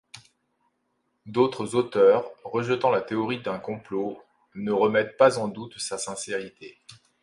D'autres auteurs, rejetant la théorie d'un complot, ne remettent pas en doute sa sincérité.